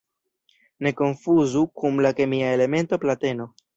Ne konfuzu kun la kemia elemento plateno.